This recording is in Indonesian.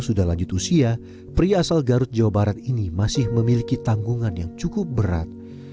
sudah lanjut usia pria asal garut jawa barat ini masih memiliki tanggungan yang cukup berat